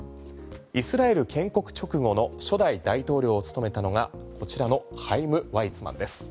イスラエル建国直後の初代大統領を務めたのがこちらのハイム・ワイツマンです。